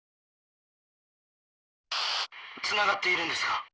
「つながっているんですか？」。